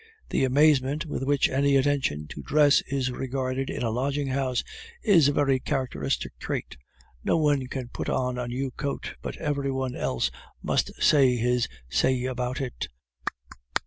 The amazement with which any attention to dress is regarded in a lodging house is a very characteristic trait. No one can put on a new coat but every one else must say his say about it.